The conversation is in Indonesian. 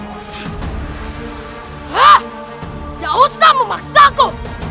tidak usah memaksaku